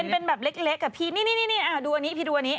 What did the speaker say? เป็นแบบเล็กอะพี่นี่ดูอันนี้กระเป๋าคาดเอลแบบนี้